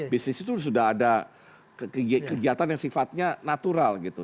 bisnis itu sudah ada kegiatan yang sifatnya natural gitu